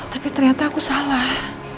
tapi ternyata aku salah